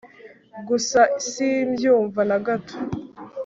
gusa simbyumva na gato